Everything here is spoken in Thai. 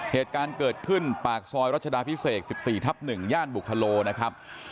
เหตุการณ์เกิดขึ้นปากซอยรัชดาพิเศษ๑๔ทับ๑ย่านบุคโลนะครับ